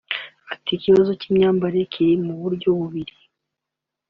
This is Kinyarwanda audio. Ati “Ikibazo cy’imyambarire kiri mu buryo bubiri